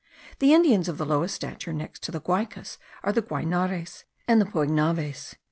The Indians of the lowest stature next to the Guaicas are the Guainares and the Poignaves.